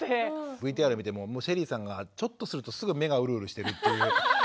ＶＴＲ見てもＳＨＥＬＬＹさんがちょっとするとすぐ目がウルウルしてるっていう。